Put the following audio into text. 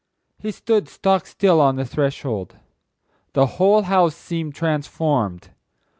He stopped stock still on the threshold. The whole house seemed transformed.